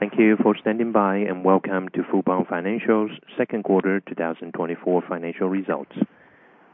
Thank you for standing by, and welcome to Fubon Financial's Q2 2024 Financial Results.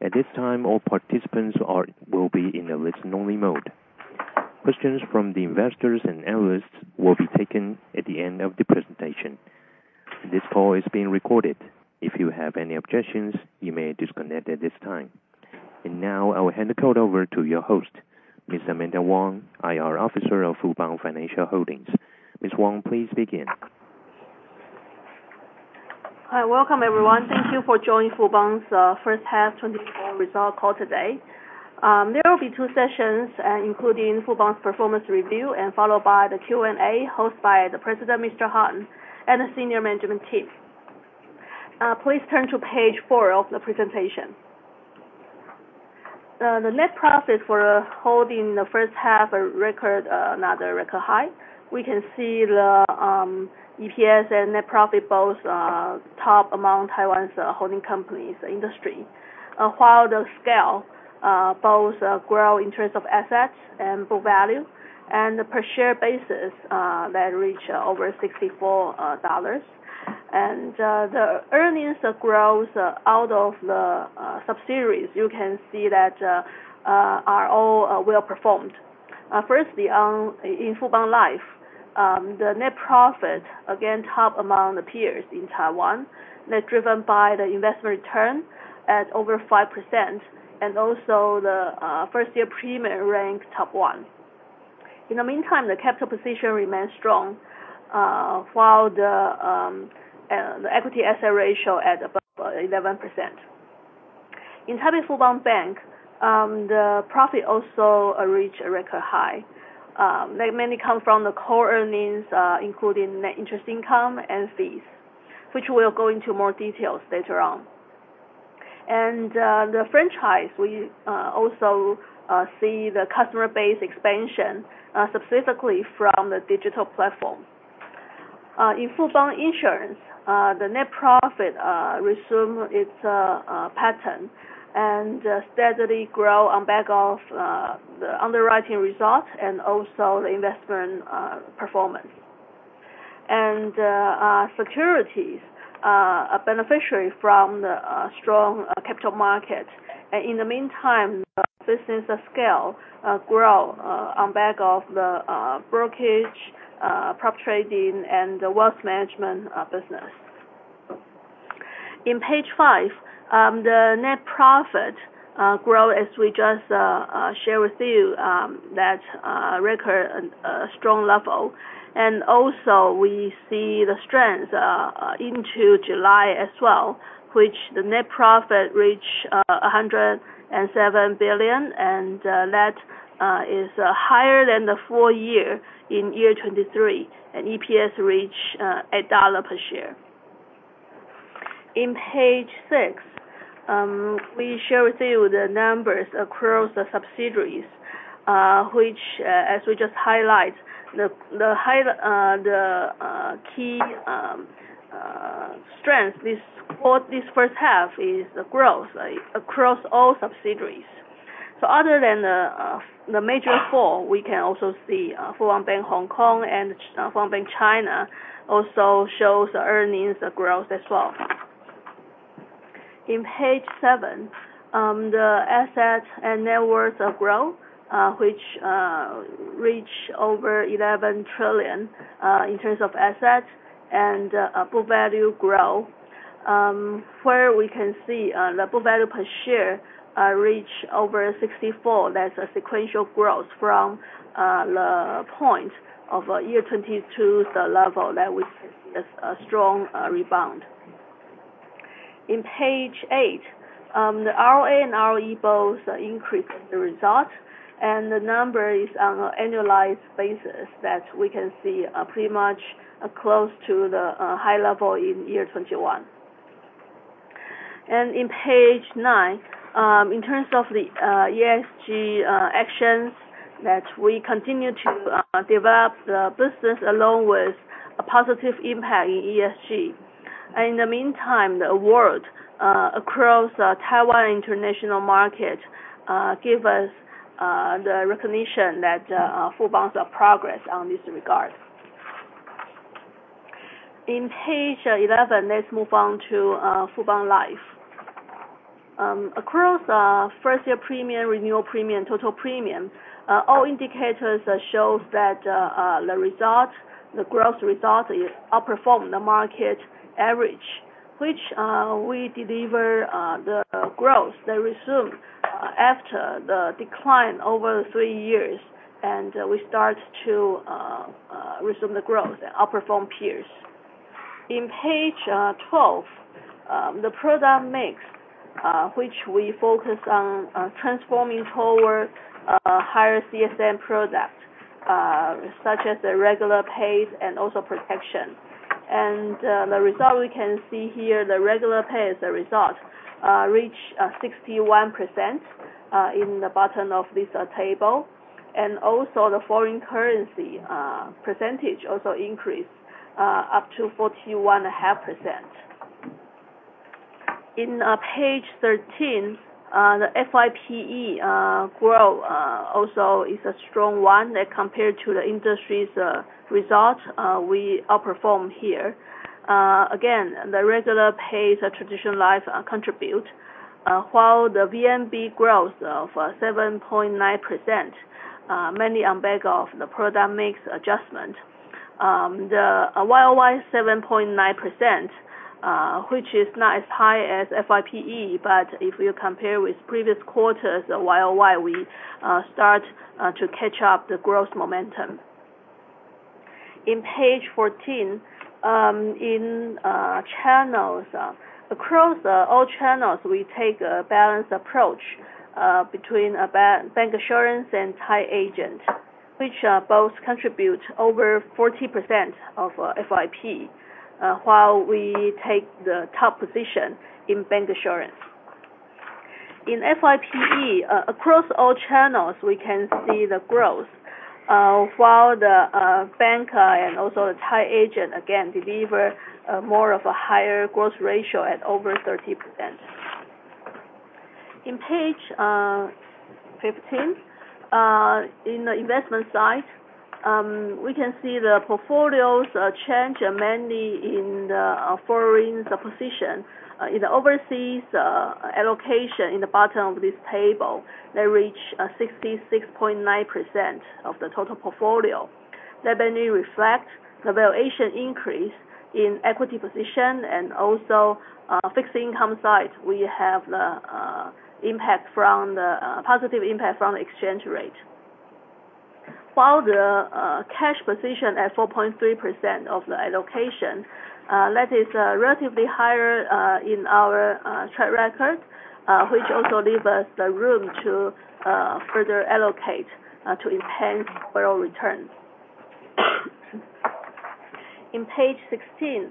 At this time, all participants will be in a listen-only mode. Questions from the investors and analysts will be taken at the end of the presentation. This call is being recorded. If you have any objections, you may disconnect at this time. And now, I will hand the call over to your host, Ms. Amanda Wang, IR Officer of Fubon Financial Holdings. Ms. Wang, please begin. Hi, welcome everyone. Thank you for joining Fubon's first half 2024 results call today. There will be two sessions, including Fubon's performance review, and followed by the Q&A, hosted by the President, Mr. Harn, and the senior management team. Please turn to page four of the presentation. The net profit for the holding in the first half a record, another record high. We can see the EPS and net profit both top among Taiwan's holding companies industry. While the scale both grow in terms of assets and book value, and the per share basis that reach over 64 dollars. The earnings growth out of the subsidiaries, you can see that are all well-performed. Firstly, in Fubon Life, the net profit, again, top among the peers in Taiwan, that's driven by the investment return at over 5%, and also the first-year premium ranked top one. In the meantime, the capital position remains strong, while the equity asset ratio at above 11%. In Fubon Bank, the profit also reached a record high. That mainly come from the core earnings, including net interest income and fees, which we'll go into more details later on, and the franchise, we also see the customer base expansion, specifically from the digital platform. In Fubon Insurance, the net profit resume its pattern and steadily grow on back of the underwriting results and also the investment performance. Our securities benefited from the strong capital market. In the meantime, the business scale grow on back of the brokerage prop trading, and the wealth management business. On page five, the net profit grow, as we just share with you, that record strong level. Also we see the strength into July as well, which the net profit reach 107 billion. That is higher than the full year in 2023, and EPS reach TWD 1 per share. On page six, we share with you the numbers across the subsidiaries, which, as we just highlight, the key strength this first half is the growth across all subsidiaries. So other than the major four, we can also see Fubon Bank Hong Kong and Fubon Bank China also shows the earnings growth as well. In page seven, the assets and net worth of growth, which reach over eleven trillion in terms of assets and book value grow. Where we can see the book value per share reach over 64. That's a sequential growth from the point of year 2022, the level that we see a strong rebound. In page eight, the ROA and ROE both increase the result, and the number is on an annualized basis, that we can see pretty much close to the high level in year 2021. In page nine, in terms of the ESG actions that we continue to develop the business along with a positive impact in ESG. In the meantime, the award across Taiwan international market give us the recognition that Fubon's progress on this regard. In page 11, let's move on to Fubon Life. Across first year premium, renewal premium, total premium all indicators shows that the result, the growth result is outperformed the market average, which we deliver the growth, the resumption after the decline over three years. We start to resume the growth and outperform peers. In page 12, the product mix which we focus on transforming toward a higher CSM product such as the regular pay and also protection. The result we can see here, the regular pay, the result reach 61% in the bottom of this table. The foreign currency percentage also increased up to 41.5%. In page 13, the FYPE growth also is a strong one compared to the industry's result. We outperformed here. Again, the regular pace of traditional life contribute while the VNB growth of 7.9%, mainly on back of the product mix adjustment. The YOY 7.9%, which is not as high as FIPE, but if you compare with previous quarters YOY, we start to catch up the growth momentum. On page 14, in channels across all channels, we take a balanced approach between bancassurance and tied agent, which both contribute over 40% of FIPE, while we take the top position in bancassurance. In FIPE across all channels, we can see the growth, while the bank and also the tied agent again deliver more of a higher growth ratio at over 30%. On page 15, in the investment side, we can see the portfolios change mainly in the foreign position. In the overseas allocation in the bottom of this table, they reach 66.9% of the total portfolio. That mainly reflect the valuation increase in equity position and also fixed income side. We have the positive impact from the exchange rate. While the cash position at 4.3% of the allocation, that is relatively higher in our track record, which also leave us the room to further allocate to enhance overall returns. On page 16,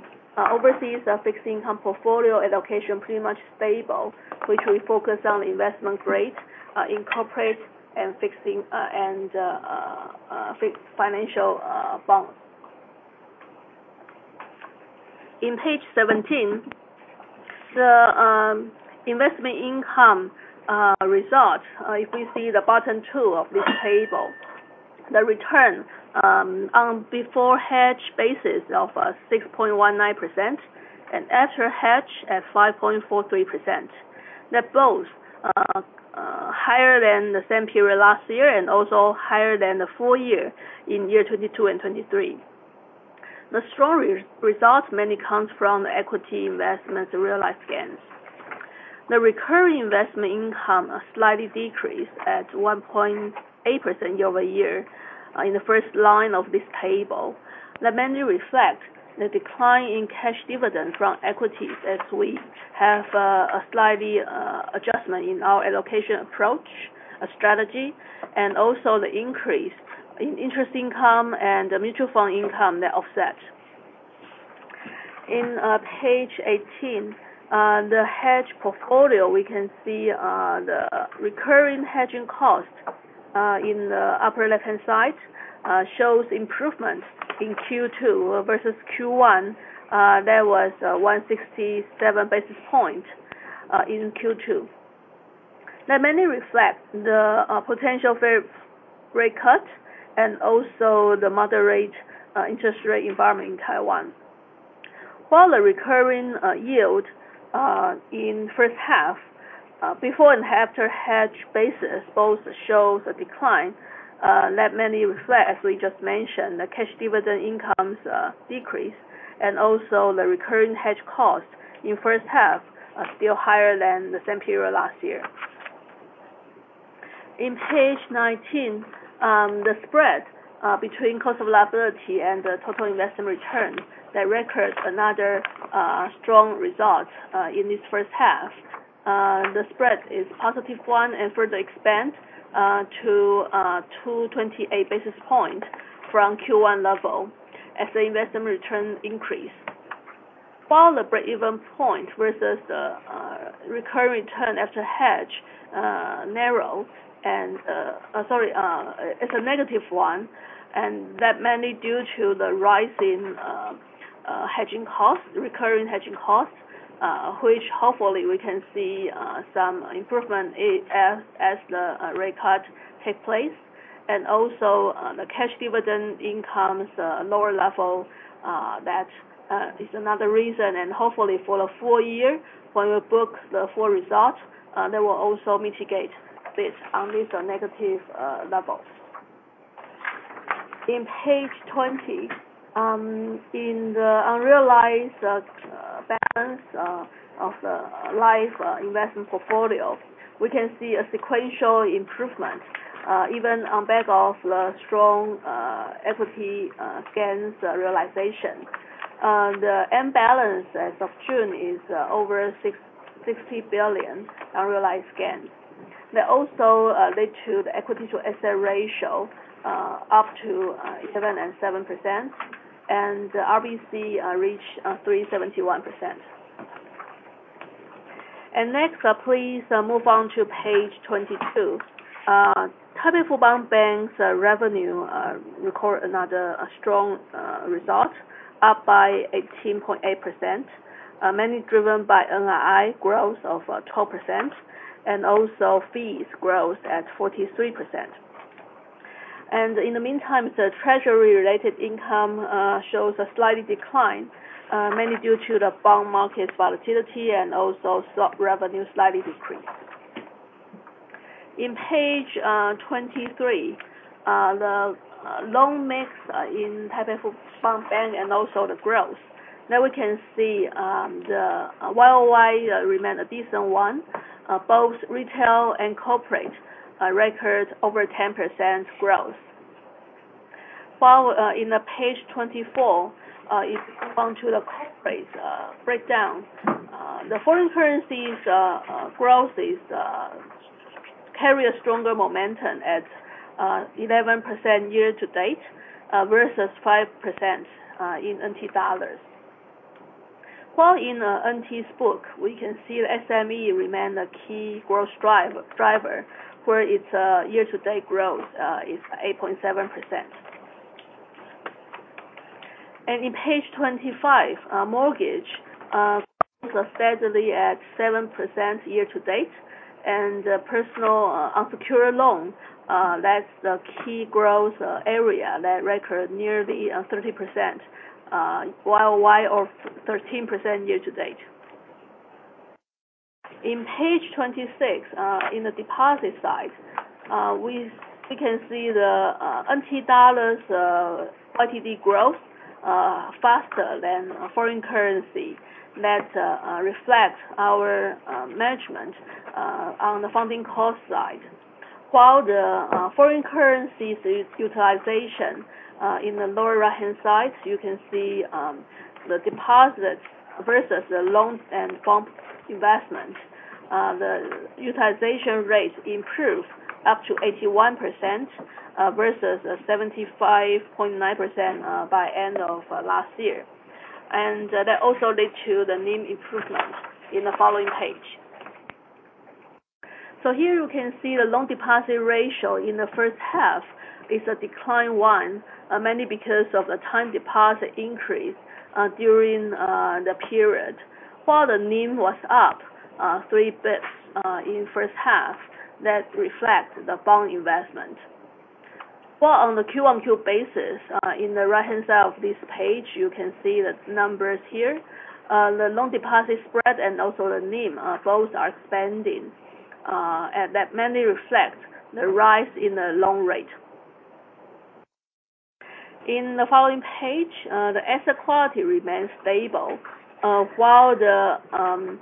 overseas fixed income portfolio allocation pretty much stable, which we focus on investment grade in corporate and fixed income and fixed financial bonds. On page 17, the investment income result, if we see the bottom two of this table, the return on before hedge basis of 6.19%, and after hedge at 5.43%. They're both higher than the same period last year and also higher than the full year in year 2022 and 2023. The stronger results mainly comes from the equity investments realized gains. The recurring investment income slightly decreased at 1.8% year-over-year in the first line of this table. That mainly reflect the decline in cash dividend from equities, as we have a slightly adjustment in our allocation approach strategy, and also the increase in interest income and mutual fund income that offset. In page 18, the hedge portfolio, we can see the recurring hedging cost in the upper left-hand side shows improvement in Q2 versus Q1. There was 167 basis point in Q2. That mainly reflect the potential Fed rate cut, and also the moderate interest rate environment in Taiwan. While the recurring yield in first half before and after hedge basis both shows a decline, that mainly reflect, as we just mentioned, the cash dividend incomes decrease, and also the recurring hedge costs in first half are still higher than the same period last year. In page 19, the spread between cost of liability and the total investment return, that records another strong result in this first half. The spread is positive one, and further expand to 228 basis point from Q1 level as the investment return increase. While the break-even point versus the recurring return after hedge narrow and... Sorry, it's a negative one, and that mainly due to the rise in hedging costs, recurring hedging costs, which hopefully we can see some improvement as the rate cut take place. And also, the cash dividend income is lower level, that is another reason. And hopefully, for the full year, when we book the full result, they will also mitigate this, lessen the negative levels. In Page 20, in the unrealized balance of the life investment portfolio, we can see a sequential improvement even on back of the strong equity gains realization. And the end balance as of June is over 60 billion unrealized gains. That also led to the equity to asset ratio up to 77%, and RBC reached 371%. And next, please move on to page 22. Taipei Fubon Bank's revenue record another strong result, up by 18.8%. Mainly driven by NII growth of 12%, and also fees growth at 43%. And in the meantime, the treasury-related income shows a slight decline, mainly due to the bond market volatility and also stock revenue slightly decreased. In page 23, the loan mix in Taipei Fubon Bank and also the growth, now we can see, the YOY remain a decent one. Both retail and corporate record over 10% growth. While in page 24, if you move on to the currency breakdown, the foreign currencies growth carries a stronger momentum at 11% year to date versus 5% in NT dollars. While in NT's book, we can see the SME remain the key growth driver, where its year to date growth is 8.7%. In page 25, our mortgage grows steadily at 7% year to date, and personal unsecured loan that's the key growth area that record nearly 30% YOY or 13% year to date. In page 26, in the deposit side, we can see the NT dollars YTD growth faster than foreign currency. That reflects our management on the funding cost side. While the foreign currencies utilization in the lower right-hand side, you can see, the deposits versus the loans and bond investment, the utilization rate improved up to 81% versus 75.9% by end of last year, and that also led to the NIM improvement in the following page, so here you can see the loan deposit ratio in the first half is a declined one, mainly because of the time deposit increase during the period, while the NIM was up three basis points in first half. That reflects the bond investment. While on the Q-on-Q basis in the right-hand side of this page, you can see the numbers here. The loan deposit spread and also the NIM, both are expanding, and that mainly reflects the rise in the loan rate. In the following page, the asset quality remains stable, while the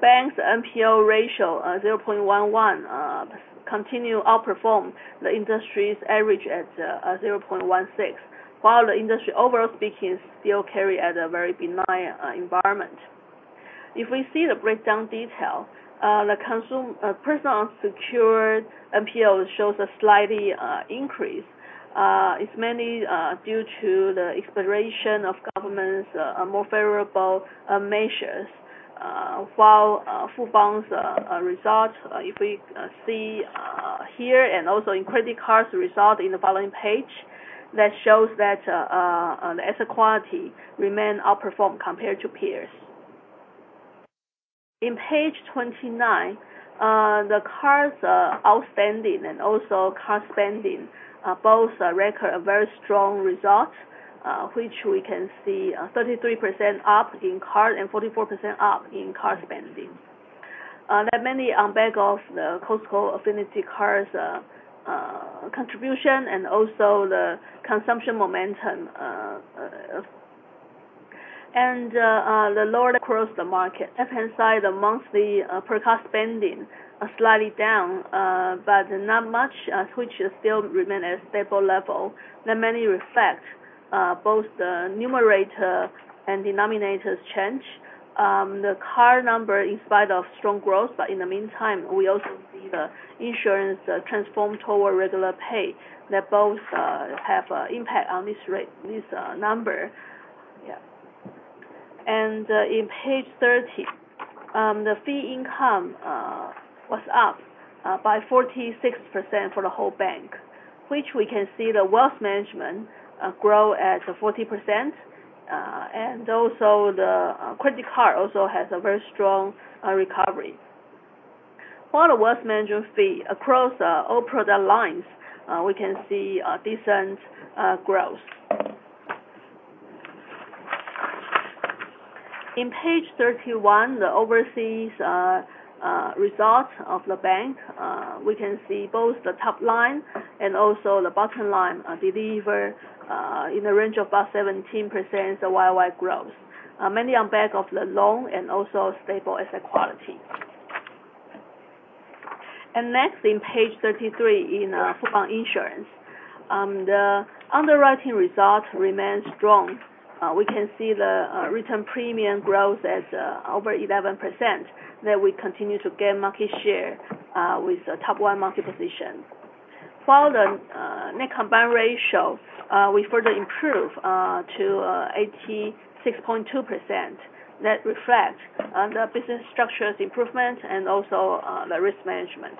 bank's NPL ratio, 0.11, continues to outperform the industry's average at 0.16. While the industry, overall speaking, still carries a very benign environment. If we see the breakdown detail, the consumer personal unsecured NPL shows a slight increase. It's mainly due to the expiration of government's more favorable measures, while Fubon's result, if we see here and also in credit cards result in the following page, that shows that the asset quality remains outperforming compared to peers. On page 29, the cards outstanding and also card spending both record a very strong result, which we can see, 33% up in card and 44% up in card spending. That mainly on back of the Costco affinity cards contribution and also the consumption momentum. And the lower across the market. Left-hand side, the monthly per card spending are slightly down, but not much, which still remain at a stable level. That mainly reflect both the numerator and denominators change. The card number in spite of strong growth, but in the meantime, we also see the insurance transform toward regular pay, that both have an impact on this rate, this number. Yeah. In page 30, the fee income was up by 46% for the whole bank, which we can see the wealth management grow at 40%, and also the credit card also has a very strong recovery. While the wealth management fee across all product lines, we can see a decent growth. In page 31, the overseas results of the bank, we can see both the top line and also the bottom line deliver in the range of about 17% the YOY growth. Mainly on back of the loan and also stable asset quality. Next, in page 33, in Fubon Insurance, the underwriting results remain strong. We can see the written premium growth as over 11%, that we continue to gain market share with the top one market position, while the net combined ratio we further improve to 86.2%. That reflect the business structures improvement and also the risk management.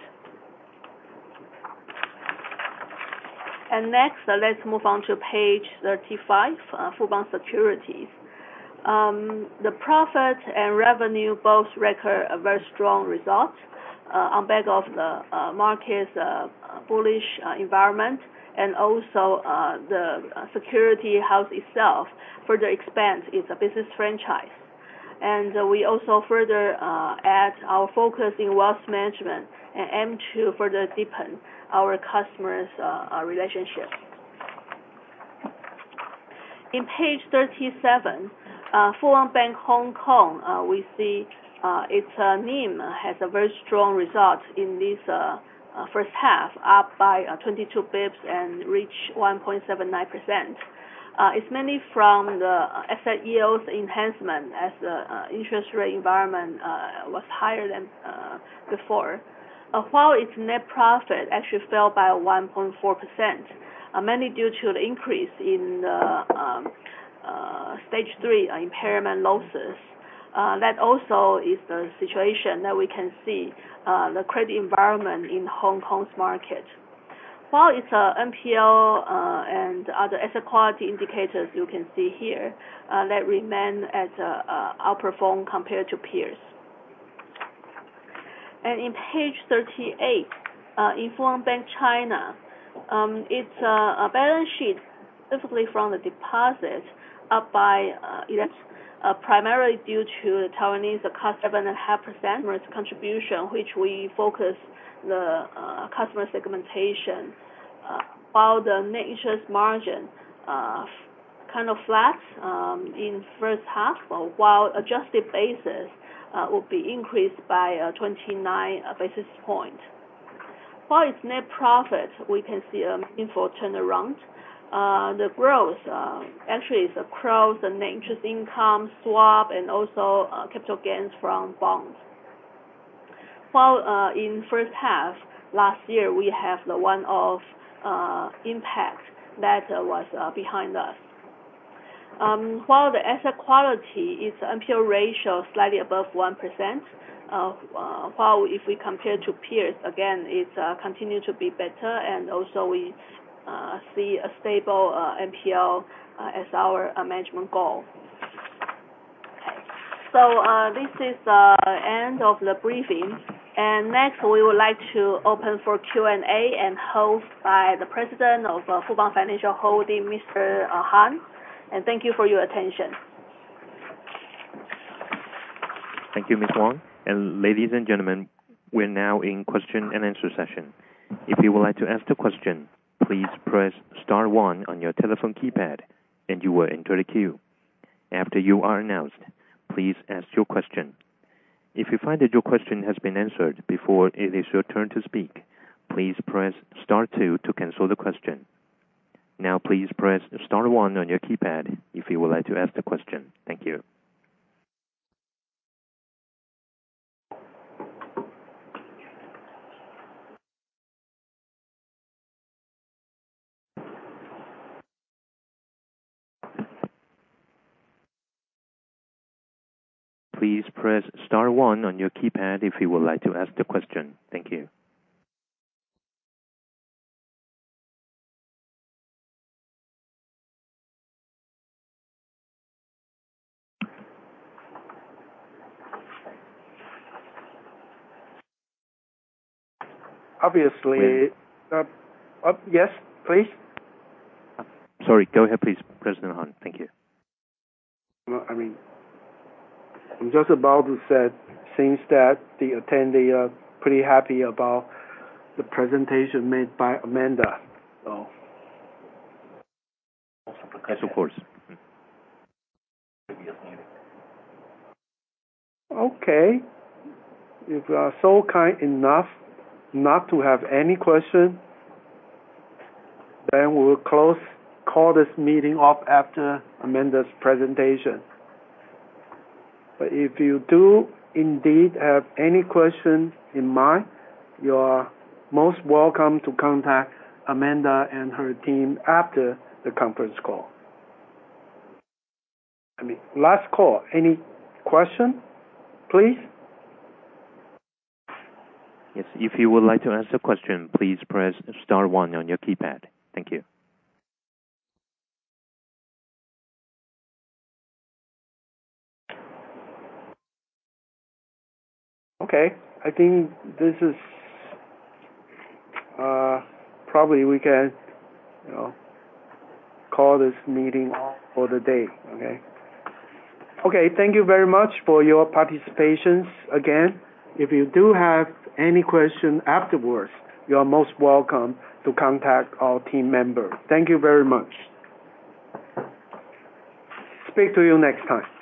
And next, let's move on to page 35, Fubon Securities. The profit and revenue both record a very strong result on the back of the market's bullish environment, and also the securities house itself further expands its business franchise. And we also further add our focus in wealth management and aim to further deepen our customers' relationships. On page 37, Fubon Bank Hong Kong, we see its NIM has a very strong result in this first half, up by 22 basis points and reach 1.79%. It's mainly from the asset yields enhancement as interest rate environment was higher than before. While its net profit actually fell by 1.4%, mainly due to the increase in the stage 3 impairment losses. That also is the situation that we can see the credit environment in Hong Kong's market. While its NPL and other asset quality indicators, you can see here, that remain as outperform compared to peers. And on page 38, in Fubon Bank China, its balance sheet, specifically from the deposits, up by. It is primarily due to Taiwanese the cost 7.5% risk contribution, which we focus the customer segmentation. While the net interest margin kind of flats in first half, while adjusted basis will be increased by 29 basis points. While its net profit we can see a meaningful turnaround. The growth actually is across the net interest income swap and also capital gains from bonds. While in first half last year, we have the one-off impact that was behind us. While the asset quality is NPL ratio slightly above 1%, while if we compare to peers, again, it's continue to be better. And also we see a stable NPL as our management goal. Okay, so this is end of the briefing. And next, we would like to open for Q&A and host by the President of Fubon Financial Holdings, Mr. Harn. And thank you for your attention. Thank you, Ms. Wang. And ladies and gentlemen, we're now in question and answer session. If you would like to ask the question, please press star one on your telephone keypad, and you will enter the queue. After you are announced, please ask your question. If you find that your question has been answered before it is your turn to speak, please press star two to cancel the question. Now, please press star one on your keypad if you would like to ask the question. Thank you. Please press star one on your keypad if you would like to ask the question. Thank you. Obviously, yes, please? Sorry. Go ahead, please, President Han. Thank you. I mean, I'm just about to say, since the attendees are pretty happy about the presentation made by Amanda, so. Yes, of course. Okay. If you are so kind enough not to have any question, then we'll close, call this meeting off after Amanda's presentation. But if you do indeed have any question in mind, you are most welcome to contact Amanda and her team after the conference call. I mean, last call, any question, please? Yes, if you would like to ask a question, please press star one on your keypad. Thank you. Okay, I think this is probably we can, you know, call this meeting off for the day, okay? Okay, thank you very much for your participations. Again, if you do have any question afterwards, you are most welcome to contact our team member. Thank you very much. Speak to you next time.